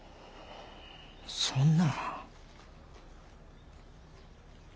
そんな。